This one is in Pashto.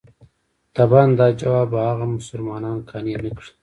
طبعاً دا ځواب به هغه مسلمانان قانع نه کړي.